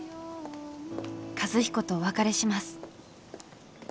和彦とお別れします。